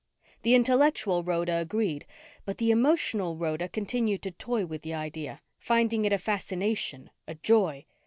The intellectual Rhoda agreed, but the emotional Rhoda continued to toy with the idea, finding it a fascination, a joy.